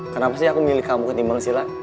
kenapa sih aku milih kamu ketimbang sila